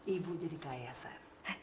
ibu jadi kaya san